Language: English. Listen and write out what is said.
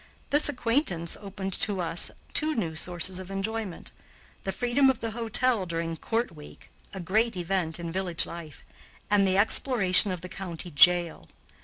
This acquaintance opened to us two new sources of enjoyment the freedom of the hotel during "court week" (a great event in village life) and the exploration of the county jail.